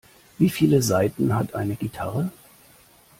Wie viele Saiten hat eine Gitarre?